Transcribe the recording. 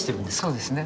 そうですね。